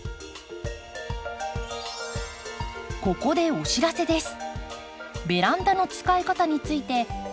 ここでお知らせです。